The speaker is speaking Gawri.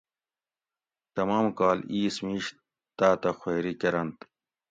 تمام کال اِیس مِیش تاتہ خوئیری کۤرنت